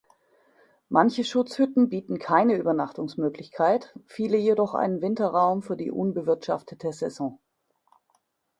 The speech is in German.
Manche Schutzhütten bieten keine Übernachtungsmöglichkeit, viele jedoch einen Winterraum für die unbewirtschaftete Saison.